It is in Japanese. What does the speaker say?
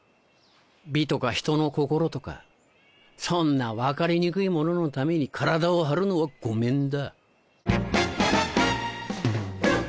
美とか人の心とかそんな分かりにくいもののために体を張るのはごめんだ。